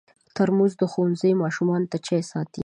ترموز د ښوونځي ماشومانو ته چای ساتي.